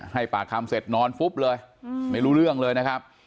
ให้ปากคำเสร็จนอนฟุบเลยไม่รู้เรื่องเลยนะครับ